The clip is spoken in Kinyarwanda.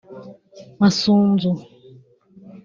Masunzu